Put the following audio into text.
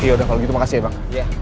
yaudah kalau gitu makasih ya bang